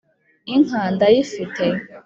Inka ndayifite